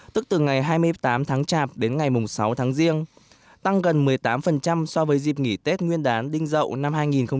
tức từ ngày hai mươi tám tháng chạp đến ngày sáu tháng riêng tăng gần một mươi tám so với dịp nghỉ tết nguyên đán đinh dậu năm hai nghìn một mươi chín